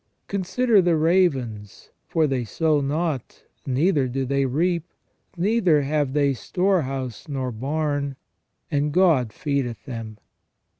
Consider the ravens, for they sow not, neither do they reap, neither have they storehouse nor barn, and God feedeth them.